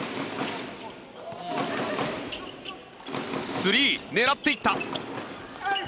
スリー、狙っていった。